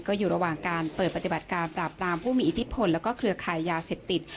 ก็อยู่ระหว่างการเปิดปฏิบัติการปราบรามผู้มีอิทธิพลแล้วก็เครือขายยาเสพติด